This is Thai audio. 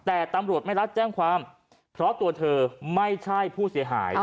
แต่ตำรวจไม่รับแจ้งความเพราะตัวเธอไม่ใช่ผู้เสียหาย